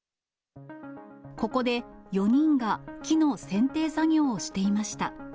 ここで４人が木のせんてい作業をしていました。